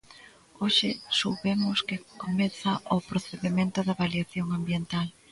Hoxe soubemos que comeza o procedemento de avaliación ambiental.